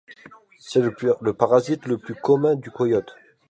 C'est le parasite le plus commun du Coyote.